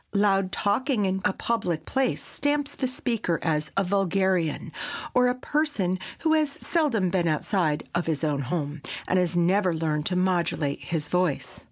Loud talking in a public place stamps the speaker as a vulgarian, or a person who has seldom been outside of his own home, and has never learned to modulate his voice.